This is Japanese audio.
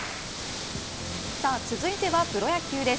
さあ続いてはプロ野球です。